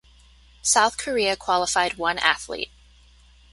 South Korea qualified one athlete.